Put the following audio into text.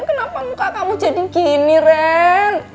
kenapa muka kamu jadi gini ren